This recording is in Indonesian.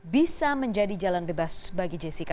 bisa menjadi jalan bebas bagi jessica